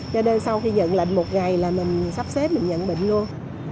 cho nên sau khi nhận lệnh một ngày là mình sắp xếp mình nhận bệnh luôn